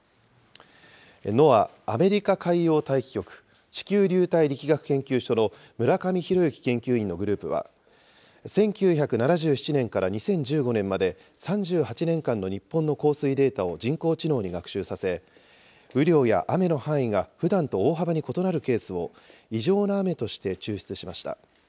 ＮＯＡＡ・アメリカ海洋大気局、地球流体力学研究所の村上裕之研究員のグループは、１９７７年から２０１５年まで３８年間の日本の降水データを人工知能に学習させ、雨量や雨の範囲がふだんと大幅に異なるケースを、異常な雨として抽出しました。